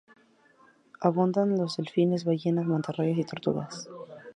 Abundan los delfines, ballenas, mantarrayas y tortugas.